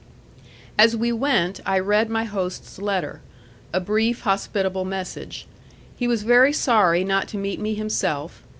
As we went, I read my host's letter a brief hospitable message. He was very sorry not to meet me himself.